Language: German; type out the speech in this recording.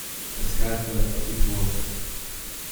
Das Pferd läuft auf die Turf.